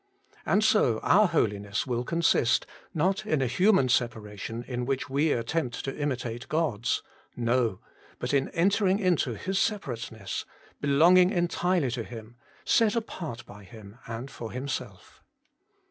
And so our holiness will consist, not in a human separation in which we attempt to imitate God's, no, but in entering into His separateness ; belonging entirely to Him ; set apart by Him and for Himself.